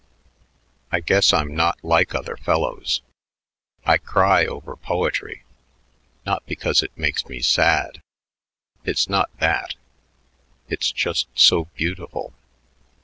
"I guess I'm not like other fellows. I cry over poetry, not because it makes me sad. It's not that. It's just so beautiful.